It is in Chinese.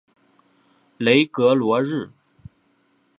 雷格罗日。